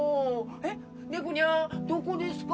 猫にゃーんどこですか？